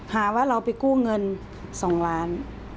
หาว่าเราไปกู้เงิน๒ล้าน